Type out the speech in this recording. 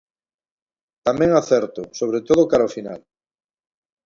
Tamén acerto, sobre todo cara ao final.